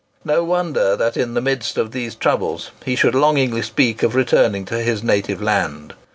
No wonder that in the midst of these troubles he should longingly speak of returning to his native land.